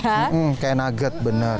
hmm kayak nugget benar